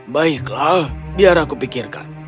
baiklah biar aku pikirkan